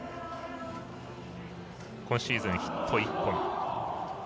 今シーズン、ヒット１本。